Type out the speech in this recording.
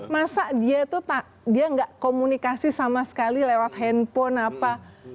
masa dia tuh dia gak komunikasi sama sekali lewat handphone apa